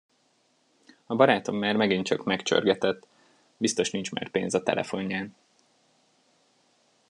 A barátom már megint csak megcsörgetett – biztos nincs már pénz a telefonján.